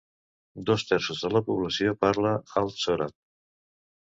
Dos terços de la població parla alt sòrab.